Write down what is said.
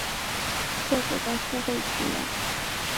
厕所在付费区内。